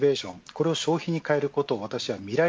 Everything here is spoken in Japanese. これを消費に変えることを未来